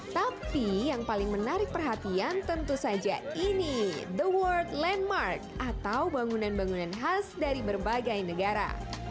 tapi yang paling menarik perhatian tentu saja ini the world landmark atau bangunan bangunan khas dari berbagai negara